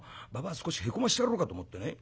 少しへこましてやろうかと思ってね